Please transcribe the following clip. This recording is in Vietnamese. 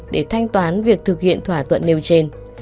để thanh toán việc thực hiện thỏa thuận nêu trên